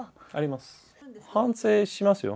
反省しますよ。